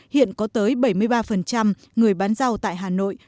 hiện có tới bảy mươi ba người bán rau tại hà nội